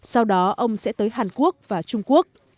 sau đó ông sẽ tới hàn quốc và trung quốc